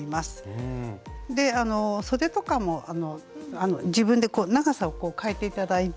そでとかも自分で長さを変えて頂いて。